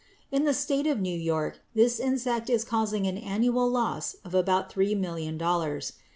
In the state of New York this insect is causing an annual loss of about three million dollars.